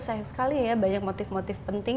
sayang sekali ya banyak motif motif penting